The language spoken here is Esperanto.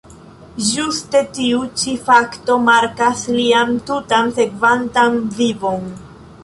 Ĝuste tiu ĉi fakto markas lian tutan sekvantan vivon.